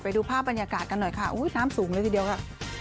ไปดูภาพบรรยากาศกันหน่อยค่ะน้ำสูงเลยทีเดียวค่ะ